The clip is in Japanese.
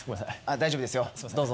大丈夫ですよどうぞ。